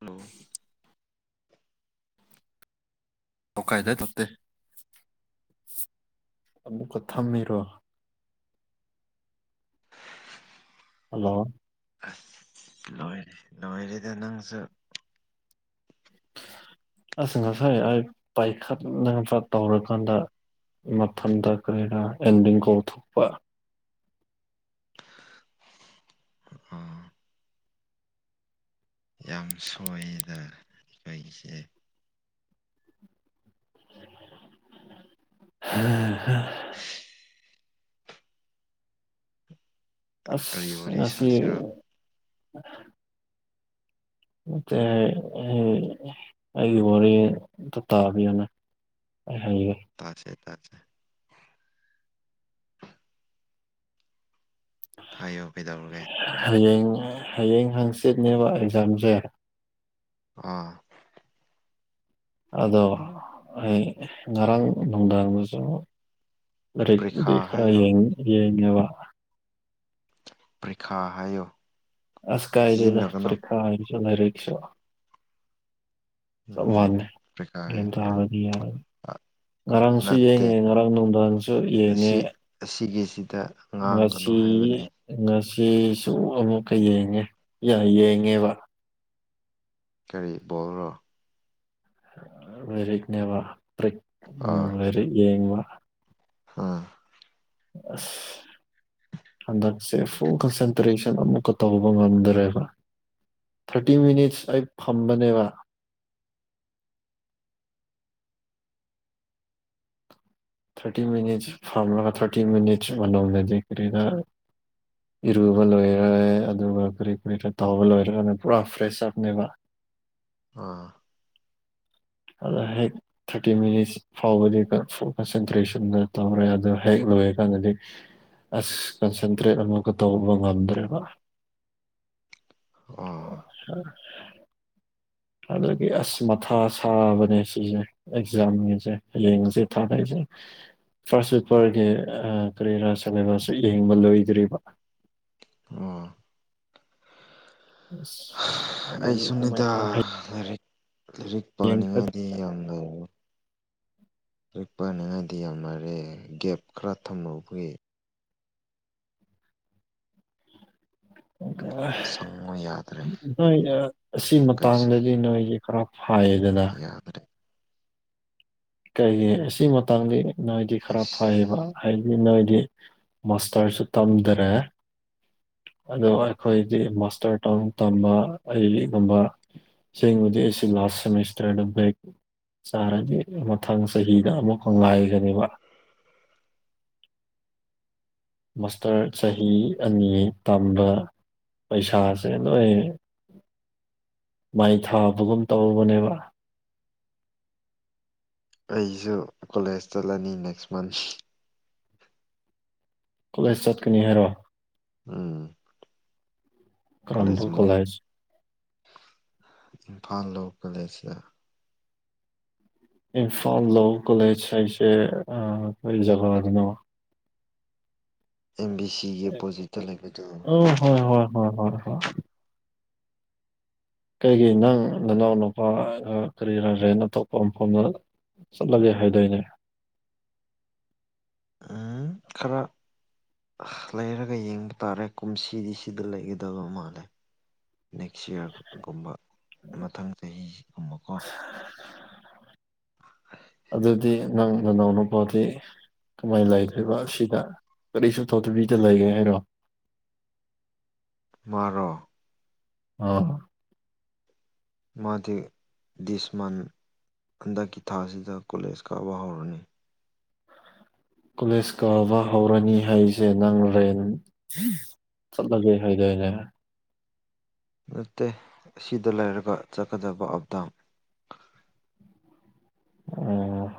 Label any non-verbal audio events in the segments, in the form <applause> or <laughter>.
hello ꯑꯣ ꯀꯥꯏꯗ ꯇꯞꯦ <inaudible> ꯑ ꯀ ꯊ ꯃꯔꯣ <unintelligible> ꯍꯜꯂꯣ ꯑꯁ ꯂꯣꯏꯔ ꯂꯣꯏꯔꯦꯗ ꯅꯪꯁꯨ ꯑꯁ ꯉꯁꯥꯏ ꯑꯩ ꯄꯥꯏꯈꯠ ꯅꯅꯕ ꯇꯧꯔꯀꯥꯟꯗ ꯃꯊꯟꯗ ꯀꯔꯤꯗꯥ ꯑꯦꯟꯗꯤꯡ ꯀꯧꯊꯣꯛꯄ ꯑꯣ ꯌꯥꯝ ꯁꯣꯏꯗ ꯑꯩꯈꯣꯏꯁꯦ ꯎꯝꯝ <unintelligible> <inaudible> ꯀꯔꯤ ꯑꯁ ꯋꯥꯔꯤ ꯉꯁꯤ ꯁꯥꯁꯤꯔꯣ ꯑꯩ ꯋꯥꯔ ꯇ ꯇꯥꯕꯤꯅ <inaudible> ꯇꯥꯁꯦ ꯊꯦ ꯍꯥꯏꯌꯣ ꯀꯩꯗꯧꯔꯒꯦ ꯍꯌꯦꯡ ꯍꯌꯦꯡ ꯍꯪꯆꯤꯠꯅꯦꯕ ꯑꯦꯛꯖꯥꯝꯁꯦ ꯑꯥ ꯑꯗꯣ ꯑꯩ ꯉꯔꯥꯡ ꯅꯨꯡꯗꯥꯡꯗꯁꯨ ꯑꯔꯦ ꯄꯔꯤꯈꯥ ꯗꯔꯥ ꯍꯥꯏꯌꯣ ꯌꯦ ꯌꯦꯕ ꯄ꯭ꯔꯤꯈꯥ ꯍꯥꯏꯌꯨ ꯑꯁ ꯎꯝ ꯁꯃꯅꯦ ꯄꯔꯤꯈꯥ ꯌꯦꯕꯗꯤ ꯌꯥ ꯉꯔꯥꯡꯁꯨ ꯅꯠꯇꯦ ꯌꯦꯡꯉꯦ ꯉꯔꯥꯡ ꯅꯨꯡꯗꯥꯡꯁꯨ ꯌꯦꯡꯉꯦ ꯑꯁꯤ ꯑꯁꯤꯒꯤꯁꯤꯗ ꯉꯥꯡꯒꯅꯨ ꯉꯁꯤ ꯍꯥꯏꯕꯅꯦ ꯉꯁꯤꯁꯨ ꯑꯃꯨꯛꯀ ꯌꯦꯡꯉꯦ ꯌꯦꯡꯉꯦꯕ ꯀꯔꯤ ꯣꯜꯔꯣ ꯔꯤꯅꯦ ꯋꯥ ꯎꯝ ꯌꯦꯉ ꯋꯥ ꯑꯝ ꯑꯁ ꯍꯟꯗꯛꯁꯦ ꯐꯨꯜ ꯀꯟꯁꯦꯟꯇ꯭ꯔꯦꯁꯟ ꯑꯃꯨꯛꯀ ꯇꯧꯕ ꯉꯝꯗ꯭ꯔꯦꯕ ꯊꯥꯔꯇꯤ ꯃꯤꯅꯤꯠꯁ ꯑꯩ ꯐꯝꯕꯅꯦꯕ ꯑ ꯊꯥꯔꯇꯤ ꯃꯤꯅꯤꯠꯁ ꯐꯥꯔꯃꯂꯒ ꯊꯥꯔꯇꯤ ꯃꯤꯅꯤꯠꯁ ꯃꯅꯗꯔꯤꯗ ꯏꯔꯨꯕ ꯂꯣꯏꯔꯦ ꯑꯗꯨꯒ ꯀꯔꯤ ꯀꯨꯔꯤ ꯀꯔ ꯇꯧꯕ ꯂꯣꯏꯔꯅ ꯄꯨꯔꯥ ꯐ꯭ꯔꯦꯁ ꯑꯞꯅꯦꯕ ꯑꯥ ꯑꯗ ꯍꯦꯛ ꯊꯥꯔꯇꯤ ꯃꯤꯅꯤꯠꯁ ꯐꯥꯎꯕꯗꯤ ꯀꯟꯁꯦꯟꯇ꯭ꯔꯦꯁꯟꯗ ꯇꯧꯔꯦ ꯑꯗꯣ ꯍꯦꯛ ꯂꯣꯏꯔꯀꯥꯟꯗꯗꯤ ꯑꯁ ꯀꯟꯁꯦꯟꯇ꯭ꯔꯦꯠ ꯑꯃꯒ ꯇꯧꯕ ꯉꯝꯗ꯭ꯔꯦꯕ <inaudible> ꯑꯣ ꯑ ꯑꯗꯒꯤ ꯑꯁ ꯃꯊꯥ ꯁꯥꯕꯅꯦ ꯁꯤꯁꯦ ꯑꯦꯛꯖꯥꯝꯒꯤꯁꯦ ꯂꯦꯡꯁꯦ ꯊꯥꯅꯁꯦ ꯐꯥꯔꯁ ꯄꯔꯒꯤ ꯀꯔꯤꯔꯥ ꯁꯤꯦꯂꯦꯕꯁꯁꯨ ꯌꯦꯡꯕ ꯂꯣꯏꯗ꯭ꯔꯤꯕ ꯑꯥ ꯑ ꯑꯩꯁꯨꯅꯤꯗ ꯂꯥꯏꯔꯤꯛ ꯂꯥꯏꯔꯤꯛ ꯄꯥꯅꯤꯡꯉꯥꯏꯗꯤ ꯌꯥꯝꯅ ꯄꯛ ꯄꯥꯅꯤꯉꯥꯏꯗꯤ ꯌꯥꯝ ꯃꯥꯔꯦ ꯒꯦꯞ ꯈꯔ ꯊꯝꯍꯧꯕꯒꯤ ꯁꯪꯉꯣ ꯌꯥꯗ꯭ꯔꯦ ꯅꯣꯏ ꯑꯁꯤ ꯀꯟꯁꯦꯞ ꯃꯇꯥꯡꯗꯗꯤ ꯅꯣꯏꯁꯦ ꯈꯔ ꯍꯥꯏꯗꯅ ꯌꯥꯗ꯭ꯔꯦ ꯀꯩꯒꯤ ꯑꯁꯤ ꯃꯇꯥꯡꯗꯤ ꯅꯗꯤ ꯈꯔ ꯐꯩꯌꯦꯕ ꯑꯁ ꯍꯥꯏ ꯅꯣꯏꯗꯤ ꯃꯥꯁꯇꯔꯁꯨ ꯇꯝꯗꯔꯦ ꯑꯗꯣ ꯑꯩꯈꯣꯏꯗꯤ ꯃꯥꯁꯇꯔ ꯇꯥꯎ ꯇꯝꯕ ꯑ ꯂꯤꯒꯨꯝꯕ ꯁꯤꯁꯤꯡꯕꯨꯗꯤ ꯁꯤ ꯂꯥꯁ ꯁꯦꯃꯤꯁꯇꯔꯦꯛ ꯆꯔꯒꯤ ꯃꯊꯪ ꯆꯍꯤꯗ ꯑꯃꯨꯛꯀ ꯉꯥꯏꯒꯅꯦꯕ ꯃꯥꯁꯇꯔ ꯆꯍꯤ ꯑꯅꯤ ꯇꯝꯕ ꯄꯩꯁꯥꯁꯦ ꯂꯣꯏ ꯃꯥꯏ ꯊꯥꯕꯒꯨꯝ ꯇꯧꯔꯔꯕꯅꯦꯕ ꯑꯩꯁꯨ ꯀꯣꯂꯦꯖ ꯆꯠꯂꯅꯤ ꯅꯦꯛꯁ ꯃꯟꯠ ꯀꯣꯂꯦꯖ ꯆꯠꯀꯅꯤ ꯍꯥꯏꯔꯣ ꯎꯝ ꯀꯂꯦꯖ ꯀꯔꯝꯕ ꯑꯃ ꯀꯣꯂꯦꯖ ꯏꯝꯐꯥꯜ ꯂꯣ ꯀꯂꯦꯁ ꯏꯝꯐꯥꯜ ꯂꯣ ꯀꯣꯂꯦꯖ ꯍꯥꯏꯁꯦ ꯑꯩꯖꯒꯥ ꯂꯅꯤꯃꯣ <unintelligible> <unintelligible> ꯑꯦꯝ ꯕꯤ ꯁꯤꯒꯤ ꯑꯣꯄꯣꯖꯤꯠꯇ ꯂꯩꯕꯗꯅꯤ ꯑꯣ ꯍꯣꯏ ꯍꯣꯏ ꯍꯣꯏ ꯍꯣꯏ ꯍꯣꯏ ꯀꯩꯒꯤ ꯅꯪ ꯅꯅꯥꯎꯅꯨꯄꯥꯒ ꯀꯔꯤ ꯂꯩꯈ꯭ꯔꯦꯅ ꯑꯇꯣꯞꯄ ꯃꯐꯝꯗ ꯆꯠꯂꯒꯦ ꯍꯥꯏꯗꯣꯏꯅꯦ ꯎꯝ ꯈꯔ ꯂꯩꯔꯒ ꯌꯦꯡꯕ ꯇꯥꯔꯦ ꯀꯨꯝꯁꯤꯗꯤ ꯁꯤꯗ ꯂꯩꯒꯗꯕ ꯃꯥꯜꯂꯦ ꯅꯦꯛꯁ ꯏꯌꯥꯔꯒꯨꯝꯕ ꯃꯊꯪ ꯆꯍꯤꯒꯨꯝꯕꯀꯣ ꯍꯦꯛꯇ ꯑꯗꯨꯗꯤ ꯅꯪ ꯅ ꯅꯎꯅꯄꯥꯗꯤ ꯀꯃꯥꯏꯅ ꯂꯩꯗꯣꯏꯕ ꯁꯤꯗ ꯀꯔꯤꯁꯨ ꯊꯧꯗꯕꯤꯗ ꯂꯩꯒꯦ ꯍꯥꯏꯔꯣ ꯃꯔꯔ ꯑꯥ ꯃꯊꯦ ꯗꯤꯁꯃꯟ ꯍꯟꯗꯛꯀꯤ ꯊꯥ ꯑꯁꯤꯗ ꯀꯣꯂꯦꯖ ꯀꯥꯕ ꯍꯧꯔꯅꯤ ꯀꯣꯂꯦꯖ ꯀꯥꯕ ꯍꯧꯔꯅꯤ ꯍꯥꯏꯁꯦ ꯅꯪ ꯔꯦꯟ ꯆꯠꯂꯁ ꯍꯥꯏꯗꯅꯦ ꯅꯠꯇꯦ ꯑꯁꯤꯗ ꯂꯩꯔꯒ ꯆꯠꯀꯗꯕ ꯑꯞꯗꯥꯝ ꯑꯣꯝ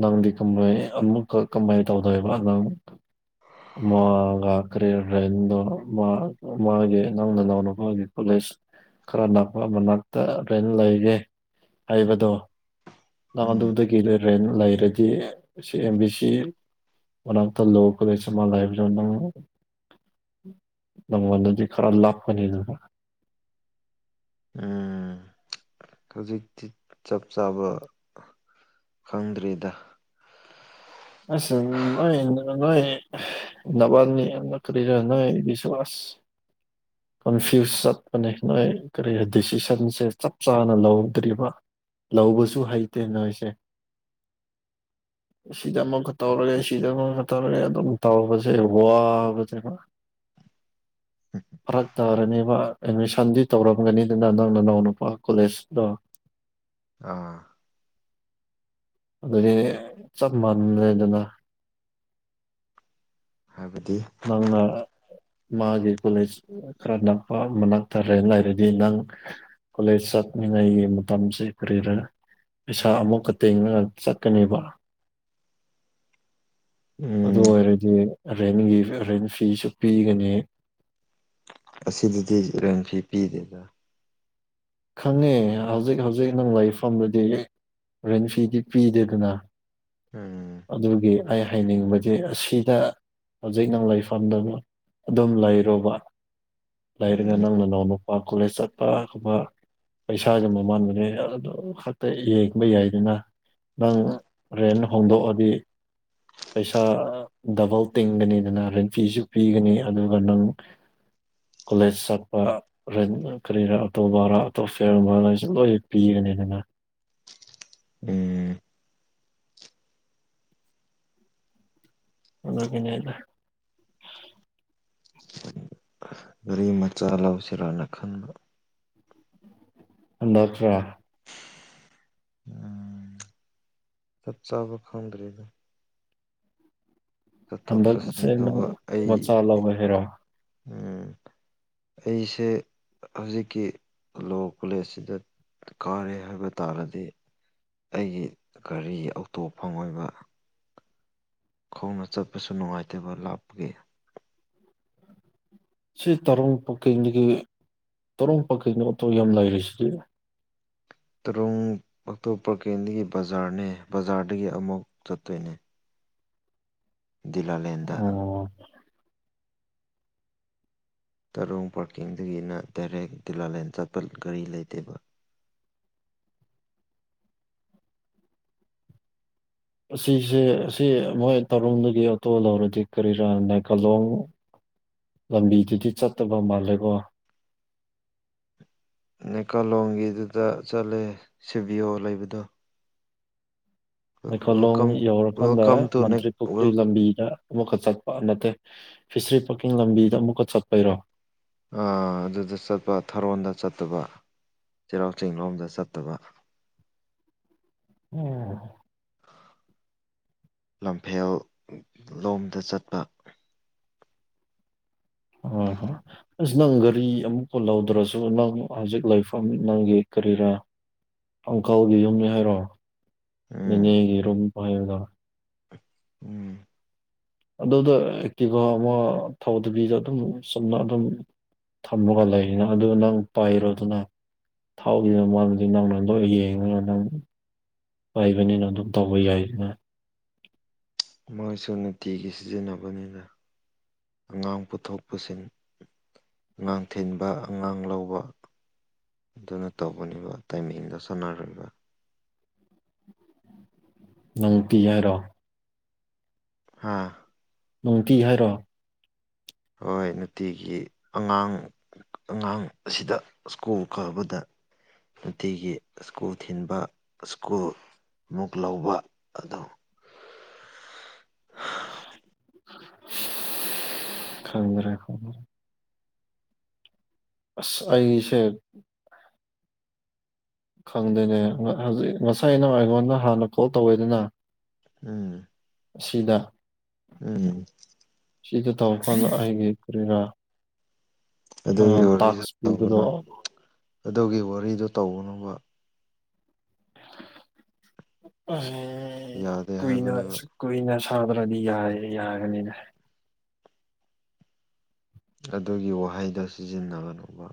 ꯅꯪꯗꯤ ꯀ ꯑꯃꯨꯛ ꯀꯃꯥꯏ ꯇꯧꯗꯣꯏꯕ ꯅꯪ ꯃꯥꯒ ꯀꯔꯤꯔ꯭ꯔ ꯃꯥ ꯃꯥꯦ ꯅꯪꯅ ꯅꯅ ꯍꯒꯤ ꯄꯨꯂꯦꯁ ꯈꯔ ꯅꯅꯥꯛꯄ ꯃꯅꯥꯛꯇ ꯂꯣꯏꯅ ꯂꯩꯒꯦ ꯍꯥꯏꯕꯗꯣ ꯅꯥꯟ ꯎꯝ ꯑꯗꯨꯗꯒꯤ ꯂꯩꯔꯦꯅ ꯂꯩꯔꯗꯤ C M B C one of the ꯂꯣ ꯂꯩꯁ ꯃꯥ ꯂꯥꯏꯕ ꯅꯪꯃꯅꯗꯤ ꯈꯔꯥ ꯂꯥꯕꯄꯅꯤ ꯑꯗꯨꯒ ꯎꯝ ꯍꯧꯖꯤꯛꯇꯤ ꯆꯞ ꯆꯥꯕ ꯈꯪꯗ꯭ꯔꯤꯗ ꯑꯁ ꯅꯣꯏ ꯅꯣꯏ ꯅꯕꯥꯅꯤꯔꯤ ꯅꯣꯏ ꯕꯤꯁꯋꯥꯁ <inaudible> ꯀꯟꯐ꯭ꯌꯨꯁ ꯆꯠꯄꯅꯦ ꯅꯣꯏ ꯀꯔꯤ ꯗꯤꯁꯤꯖꯟꯁꯦ ꯆꯞ ꯆꯥꯅ ꯂꯧꯗ꯭ꯔꯤꯕ ꯂꯧꯕꯁꯨ ꯍꯩꯇꯦ ꯅꯣꯏꯁꯦ ꯑ ꯁꯤꯗ ꯑꯃꯨꯛꯀ ꯇꯧꯔꯒꯦ ꯁꯤꯗ ꯑꯃꯨꯛꯀ ꯇꯧꯔꯒꯦ ꯑꯗꯨꯝ ꯇꯧꯕꯁꯦ ꯋꯥꯕꯅꯦꯦꯕ <inaudible> ꯐ ꯇꯕꯔꯅꯤ ꯁꯗꯤ ꯇꯧꯔꯝꯒꯅꯤꯗꯨꯅ ꯅꯪ ꯅꯅꯥꯎ ꯅꯨꯄꯥ ꯀꯣꯂꯦꯖꯇ ꯑꯥ ꯑꯗꯨꯗꯤ ꯆꯞ ꯃꯥꯟꯅꯗꯦ ꯑꯗꯨꯅ ꯍꯥꯏꯕꯗꯤ ꯅꯪꯅ ꯃꯥꯒꯤ ꯀꯣꯂꯦꯖ ꯈꯔ ꯅꯛꯄ ꯃꯅꯥꯛꯛꯇꯔꯦ ꯂꯩꯔꯗꯤ ꯅꯪ ꯀꯣꯂꯦꯖ ꯆ ꯑꯩ ꯃ ꯃꯇꯝꯝꯁꯤꯦ ꯀꯔꯤꯔꯦ ꯄꯩꯁꯥ ꯑꯃꯨꯛꯀ ꯇꯦꯡꯅꯒ ꯆꯠꯀꯅꯦꯕ <inaudible> ꯑꯗꯨ ꯎꯝ ꯑꯣꯏꯔꯗꯤ ꯔꯦꯟꯒꯤ ꯔꯦꯟ ꯐꯤꯁꯨ ꯄꯤꯒꯅꯤ ꯑꯁꯤꯗꯗꯤ ꯔꯦꯟꯐꯤ ꯄꯤꯗꯦꯗ ꯈꯪꯉꯦ ꯍꯧꯖꯤꯛ ꯍꯧꯖꯤꯛ ꯅꯅꯨꯡ ꯂꯥꯏꯐꯝꯗꯨꯗꯤ ꯔꯣꯔꯦꯟ ꯐꯤꯗꯤ ꯄꯤꯗꯦꯗꯅ ꯎꯝ ꯑꯗꯨꯒꯤ ꯑꯩ ꯍꯥꯏꯅꯤꯡꯕꯗꯤ ꯑꯁꯤꯗ ꯍꯧꯖꯤꯛ ꯅꯪ ꯂꯩꯐꯝꯗꯅ ꯑꯗꯨꯝ ꯂꯩꯔꯨꯕ ꯂꯩꯔꯒ ꯎꯝ ꯅꯪꯅ ꯅꯅꯥꯎꯅ ꯅꯨꯄꯥ ꯀꯣꯂꯦꯖ ꯆꯠꯄꯒꯕ ꯄꯩꯁꯥꯥꯁꯦ ꯃꯃꯥꯟꯕꯅꯦ ꯑꯗꯨ ꯈꯛꯇ ꯌꯦꯡꯕ ꯌꯥꯏꯗꯅ ꯅꯪ ꯔꯦꯟ ꯍꯣꯡꯗꯣꯛꯑꯗꯤ ꯄꯩꯁꯥ ꯗꯕꯜ ꯇꯤꯡꯒꯅꯤꯗꯅ ꯔꯔꯤꯟꯐꯤꯁꯨ ꯄꯤꯒꯅꯤ ꯑꯗꯨꯒ ꯅꯪ ꯀꯣꯂꯦꯖ ꯆꯠꯄ ꯀꯔꯤꯅ ꯑꯇꯣ ꯔꯥ ꯇꯣꯐꯦꯔꯝꯕ ꯂꯁꯨ ꯂꯣꯏꯅ ꯄꯤꯒꯅꯤ ꯑꯗꯨꯅ ꯎꯝ ꯑꯗꯨ ꯀꯅꯦꯗ ꯑꯗꯨ ꯃꯆꯥ ꯂꯥꯎꯁꯤꯔꯥꯅ ꯈꯟꯕ ꯗꯣꯛꯇꯔ ꯎꯝ ꯆꯞ ꯆꯥꯕ ꯈꯪꯗꯔꯤꯗ ꯆꯠꯁꯤꯟ ꯑꯟꯗꯁꯅ ꯇꯧꯕ ꯑꯩ ꯃꯁꯂꯥ ꯑꯣꯏꯦꯔꯥ ꯎꯝ ꯑꯩꯁꯦ ꯍꯧꯖꯤꯛꯀꯤ ꯂꯣ ꯀꯣꯂꯦꯖꯁꯤꯗ ꯀꯥꯔꯦ ꯍꯥꯏꯕ ꯇꯥꯔꯗꯤ ꯑꯩꯒꯤ ꯒꯥꯔꯤ ꯑꯣꯇꯣ ꯐꯪꯉꯣꯏꯕ ꯈꯣꯡꯅ ꯆꯠꯄꯁꯨ ꯅꯨꯡꯉꯥꯏꯇꯦꯕ ꯂꯥꯞꯄꯒꯦ ꯁꯤ ꯇꯔꯣꯡ ꯄꯥꯀꯩꯗꯒꯤ ꯇꯔꯣꯡ ꯄꯥꯀꯩꯗ ꯑꯣꯇꯣ ꯌꯥꯝ ꯂꯩꯔꯤꯁꯤꯗꯤ ꯇꯔꯨꯡ ꯄꯇꯣ ꯄ꯭ꯔꯀꯦꯟꯗꯒꯤ ꯕꯖꯥꯔꯅꯦ ꯕꯖꯥꯔꯗꯒꯤ ꯑꯃꯨꯛ ꯆꯠꯇꯣꯏꯅꯦ ꯗꯨꯏꯂꯥꯂꯦꯟꯗ ꯑꯣ ꯇꯔꯣꯡ ꯄꯥꯔꯀꯤꯡꯒꯤꯅ ꯗꯥꯏꯔꯦꯛ ꯗꯨꯏꯤꯂꯥꯂꯦꯟ ꯆꯠꯄ ꯒꯥꯔꯤ ꯂꯩꯇꯦꯕ <inaudible> ꯑꯁꯤꯁꯦ ꯑꯁꯤ ꯃꯣꯏ ꯇꯧꯔꯝꯗꯒꯤ ꯑꯣꯇꯣ ꯂꯧꯔꯗꯤ ꯀꯔꯤꯔꯥ ꯅꯥꯏꯒꯥꯏꯂꯣꯡ ꯂꯝꯕꯤꯗꯨꯗꯤ ꯆꯠꯇꯕ ꯃꯥꯜꯂꯦꯀꯣ ꯅꯩꯀꯥꯂꯣꯡꯒꯤꯗꯨꯗ ꯆꯠꯂꯦ ꯁꯤꯕꯤꯌꯣꯜ ꯂꯩꯕꯗꯣ ꯂꯩꯀꯣꯂꯣꯡ ꯋꯦꯜꯀꯝ ꯌꯧꯔꯀꯥꯟꯗ ꯋꯦꯜꯀꯝ ꯇꯨ ꯅꯦꯛ ꯃꯟꯇ꯭ꯔꯤ ꯄꯨꯈ꯭ꯔꯤ ꯋꯦꯜ ꯂꯝꯕꯤꯗ ꯑꯃꯨꯛꯀ ꯆꯠꯄ ꯅꯠꯇꯦ ꯐꯤꯁꯔꯤ ꯄꯥꯔꯀꯤꯡ ꯂꯝꯕꯤꯗ ꯑꯃꯨꯛꯀ ꯆꯠꯄꯩꯔꯣ ꯑꯗꯨꯗ ꯆꯠꯄ ꯊꯥꯔꯣꯟꯗ ꯆꯠꯇꯕ ꯆꯩꯔꯥꯛ ꯆꯤꯡ ꯂꯣꯝꯗ ꯆꯠꯇꯕ ꯎꯝ ꯂꯝꯐꯦꯜ ꯂꯣꯝꯗ ꯆꯠꯄ ꯍꯣꯏ ꯍꯣꯏ ꯑꯁ ꯅꯪ ꯒꯥꯔꯤ ꯑꯃꯨꯛꯀ ꯂꯧꯗ꯭ꯔꯁꯨ ꯅꯪ ꯍꯧꯖꯤꯛ ꯂꯩꯐꯝ ꯅꯪꯒꯤ ꯀꯔꯤꯔꯥ ꯑꯪꯀꯥꯎꯒꯤ ꯌꯨꯝꯅꯤ ꯍꯥꯏꯔꯣ ꯎꯝ ꯃꯤꯅꯦ ꯌꯦꯔꯨꯝ ꯄꯥꯏꯨꯗ ꯎꯝ ꯑꯗꯨꯗ ꯑꯦꯛꯇꯤꯒ ꯑꯃ ꯊꯥꯎꯗꯕꯤꯗ ꯑꯗꯨꯝ ꯆꯝꯅ ꯑꯗꯨꯝ ꯊꯝꯃꯒ ꯂꯩꯔꯤꯅ ꯑꯗꯨ ꯅꯪ ꯄꯥꯏꯔꯗꯨꯅ ꯊꯥꯎꯒꯤꯅ ꯃꯗꯤ ꯅꯪꯅ ꯂꯣꯏ ꯌꯦꯡꯉꯅꯤ ꯅꯪ ꯑꯣꯏꯕꯅꯤꯅ ꯑꯗꯨꯝ ꯇꯧꯕ ꯌꯥꯏꯗꯅ ꯃꯣꯏꯁꯨ ꯅꯨꯡꯇꯤꯒꯤ ꯁꯤꯖꯤꯟꯅꯕꯅꯤꯗ ꯑꯉꯥꯡ ꯄꯨꯊꯣꯛ ꯄꯨꯁꯤꯟ ꯉꯥꯡ ꯊꯤꯟꯕ ꯑꯉꯥꯡ ꯂꯧꯕ ꯑꯗꯨꯅ ꯇꯧꯕꯅꯦꯕ ꯇꯥꯏꯃꯤꯡꯗ ꯁꯥꯟꯅꯔꯣꯏꯕ ꯉꯪꯇꯤ ꯌꯥꯔꯣ ꯍꯥꯥ ꯅꯨꯡꯇꯤ ꯍꯥꯏꯔꯣ ꯍꯣꯏ ꯅꯨꯡꯇꯤꯒꯤ ꯑꯉꯥꯡ ꯑꯉꯥꯡ ꯑꯁꯤꯗ ꯁ꯭ꯀꯨꯜ ꯀꯥꯕꯗ ꯅꯨꯡꯇꯤꯒꯤ ꯁ꯭ꯀꯨꯜ ꯊꯤꯟꯕ ꯁ꯭ꯀꯨꯜ ꯑꯃꯨꯛ ꯂꯧꯕ ꯑꯗꯣ ꯈꯪꯗ꯭ꯔꯦ ꯈꯪꯗ꯭ꯔꯦ ꯑ ꯑꯩꯁꯦ ꯈꯪꯗꯣꯏꯅꯦ ꯍꯧꯖꯤꯛ ꯉꯁꯥꯏ ꯑꯩꯅ ꯑꯩꯉꯣꯟꯗ ꯍꯥꯟꯅ ꯀꯣꯜ ꯇꯧꯋꯦꯗꯅ ꯎꯝ ꯑꯁꯤꯗ ꯎꯝ ꯁꯤꯗ ꯇꯧꯔꯀꯥꯟꯗ ꯑꯩꯒꯤ ꯀ꯭ꯔꯦꯔꯥ ꯑꯗꯨꯒꯤ ꯋꯥꯔꯤꯁꯨ ꯄꯤꯕꯗꯣ ꯇꯧꯕꯅ ꯑꯗꯨꯒꯤ ꯋꯥꯔꯤꯗ ꯇꯧꯕꯅꯕ ꯌꯥꯗꯦ ꯍꯥꯏꯕꯅꯦꯕ ꯑꯣꯏꯣꯏꯅ ꯊꯥꯗ꯭ꯔꯗꯤ ꯌꯥꯏ ꯌꯥꯒꯅꯤꯅꯦ ꯑꯗꯨꯒꯤ ꯋꯥꯍꯩꯗꯣ ꯁꯤꯖꯤꯟꯅꯕꯅꯣꯕ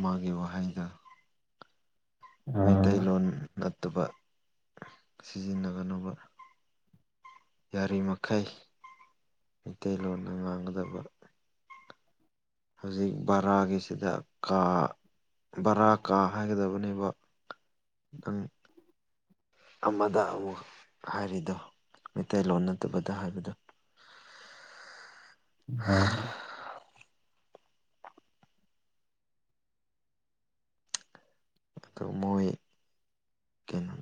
ꯃꯥꯒꯤ ꯋꯥꯍꯩꯗ ꯑꯥ ꯃꯩꯇꯩꯂꯣꯟ ꯅꯠꯇꯕ ꯁꯤꯖꯤꯟꯅꯒꯅꯕ ꯌꯥꯔꯤꯃꯈꯩ ꯃꯩꯇꯩꯂꯣꯟꯅ ꯉꯥꯡꯒꯗꯕ ꯍꯧꯖꯤꯛ ꯚꯔꯥꯒꯤꯁꯤꯗ ꯀꯥ ꯕꯔꯥ ꯀꯥ ꯍꯥꯏꯒꯗꯕꯅꯦꯕ ꯅꯇꯪ ꯑꯃꯗ ꯑꯃꯨꯛ ꯍꯥꯏꯔꯤꯗꯣ ꯃꯩꯇꯩꯂꯣꯟ ꯅꯠꯇꯕꯗ ꯍꯥꯏꯕꯗꯣ ꯍ ꯑꯗꯨꯣ ꯃꯣꯏ ꯀꯩꯅꯣ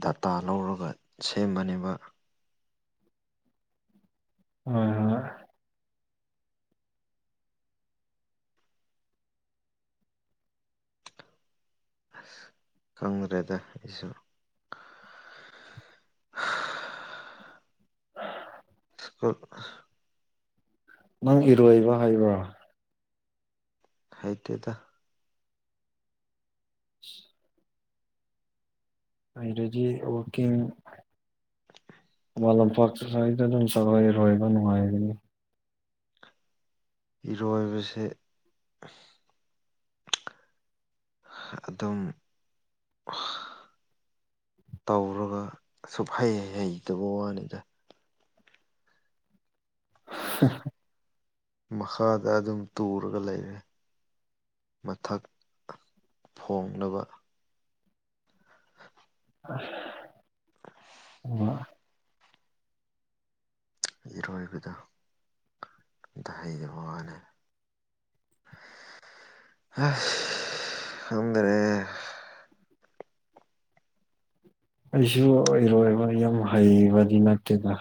ꯗꯗꯥꯇꯥ ꯂꯧꯔꯒ ꯁꯦꯝꯕꯅꯦꯕ ꯍꯣꯏ ꯍꯣꯏ ꯈꯪꯗ꯭ꯔꯦꯗ ꯑꯩꯁꯨ ꯑꯣ ꯅꯪ ꯏꯔꯣꯏꯕ ꯍꯥꯏꯕ꯭ꯔꯥ ꯍꯥꯏ ꯇꯗ ꯑꯪꯔꯦꯖꯤ ꯋꯥꯔꯀꯤꯡ ꯃ ꯂꯝꯄꯥꯛꯇ ꯁꯋꯥꯏꯗ ꯑꯗꯨꯝ ꯁꯂꯣꯏꯔꯣꯏꯕ ꯅꯨꯡꯉꯥꯏꯒꯅꯤ ꯍꯔꯣꯏ ꯑꯣꯏꯕꯁ ꯑꯗꯨꯝ ꯇꯧꯔꯒ ꯑꯁꯨꯛ ꯍꯩ ꯍꯩꯇꯕ ꯋꯥꯅꯤꯗ <inaudible> ꯃꯈꯥꯗ ꯑꯗꯨꯝ ꯇꯨꯔꯒ ꯂꯩꯔꯦ ꯃꯊꯛ ꯐꯣꯡꯂꯅꯕ ꯍ ꯏꯔꯣꯏꯕꯗ ꯍꯩꯗꯕ ꯃꯥꯜꯂꯦ ꯑ ꯑꯗꯨꯗ꯭ꯔꯦ ꯑꯩꯁꯨ ꯏꯔꯣꯏꯕ ꯌ ꯍꯩꯕꯗꯤ ꯅꯠꯇꯦꯗ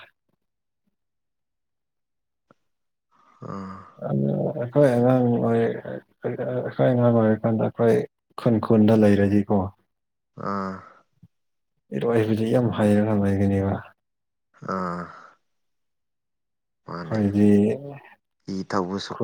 ꯑꯥ ꯑꯣ ꯑꯩꯈꯣꯏ ꯑꯉꯥꯡ ꯑꯣꯏꯔꯤ ꯑꯩꯈꯣꯏ ꯑꯉꯥꯡ ꯑꯣꯏꯔꯀꯥꯟꯗ ꯑꯩꯈꯣꯏ ꯈꯨꯟ ꯈꯨꯟꯗ ꯂꯩꯔꯗꯤꯀꯣ ꯑꯥ ꯏꯔꯣꯏ ꯑꯩꯕꯨꯁ ꯌꯥꯝ ꯍꯥꯏꯩꯔ ꯅꯨꯡꯉꯥꯏꯒꯅꯦꯕ ꯑꯥ ꯍꯣꯏꯒꯤ ꯊꯧꯕꯕꯨꯁꯨ ꯁꯣꯛ